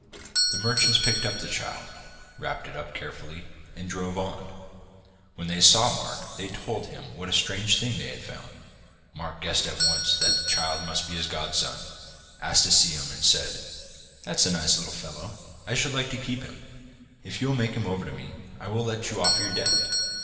The merchants picked up the child, wrapped it up carefully, and drove on. When they saw Mark they told him what a strange thing they had found. Mark guessed at once that the child must be his godson, asked to see him, and said: 'That's a nice little fellow; I should like to keep him. If you will make him over to me, I will let you off your debt.